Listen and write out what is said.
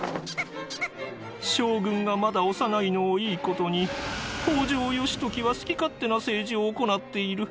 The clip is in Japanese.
将軍がまだ幼いのをいいことに北条義時は好き勝手な政治を行っている。